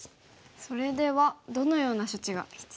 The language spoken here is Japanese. それではどのような処置が必要ですか？